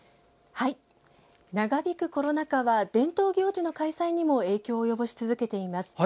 長引くコロナ禍は伝統行事の開催にも影響を及ぼし続けています。